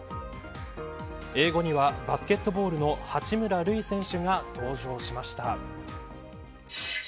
英語にはバスケットボールの八村塁選手が登場しました。